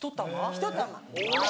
ひと玉。